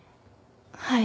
はい。